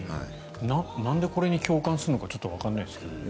なんでこれに共感するのかちょっとわからないんですが。